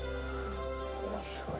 面白いな。